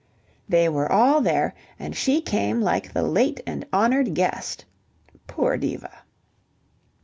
They were all there, and she came like the late and honoured guest (poor Diva).